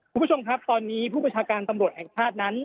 คุณผู้ชมครับตอนนี้ผู้ประชาการตำรวจแห่งชาตินั้น